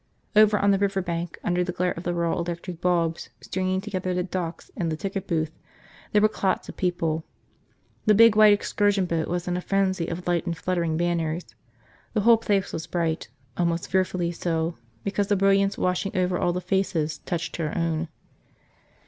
Over on the riverbank, under the glare of the raw electric bulbs stringing together the docks and the ticket booth, there were clots of people. The big white excursion boat was in a frenzy of light and fluttering banners. The whole place was bright, almost fearfully so because the brilliance washing over all the faces touched her own.